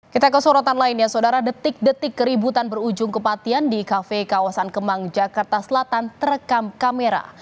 kita ke sorotan lainnya saudara detik detik keributan berujung kepatian di kafe kawasan kemang jakarta selatan terekam kamera